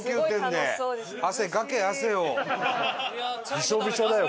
ビショビショだよ